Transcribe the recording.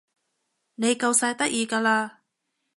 你夠晒得意㗎啦